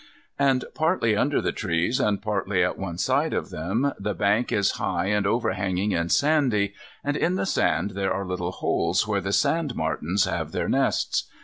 And partly under the trees, and partly at one side of them, the bank is high and over hanging and sandy, and in the sand there are little holes where the sandmartins have their nests.